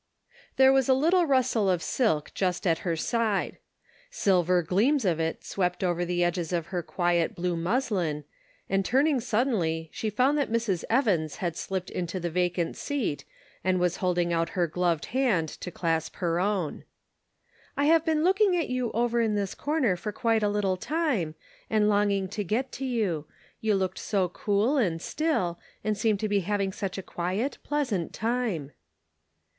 HERE was a little rustle of silk just at her side ; silver gleams of it swept over the edges of her quiet blue muslin, and turning suddenly she found that Mrs. Evans had slipped into the vacant seat, and was holding out her gloved hand to clasp her own. " I have been looking at you over in this corner for quite a little time, and longing to get to you. You looked so cool and still, and seemed to be having such a quiet, pleasant time."